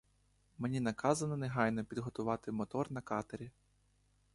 Мені наказано негайно підготувати мотор на катері.